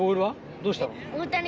どうしたの？